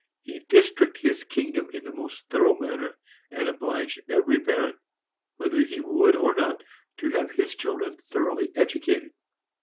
He districted his kingdom in the most thorough manner, and obliged every parent, whether he would or not, to have his children thoroughly educated.